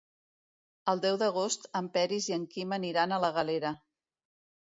El deu d'agost en Peris i en Quim aniran a la Galera.